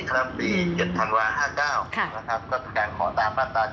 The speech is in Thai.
๗๐๕๙นะครับก็แทนขอตามบ้านตา๗ทุววิซึ่งการธุมัติก็เป็นธรรมดาของในเพิร์น